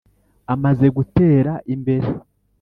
amaze gutera imbere